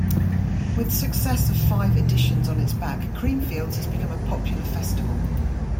With success of five editions on its back, Creamfields has become a popular festival.